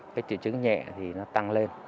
cái triệu chứng nhẹ thì nó tăng lên